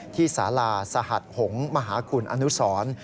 ที่สาราสหรัฐหงศ์มหาคุณอนุสร